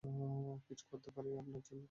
কিছু করতে পারি আপনার জন্য?